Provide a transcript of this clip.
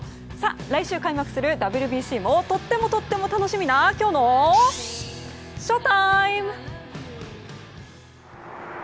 来週開幕するＷＢＣもとってもとっても楽しみなきょうのＳＨＯＴＩＭＥ。